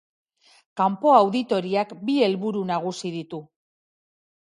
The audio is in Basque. Kanpo-auditoriak bi helburu nagusi ditu.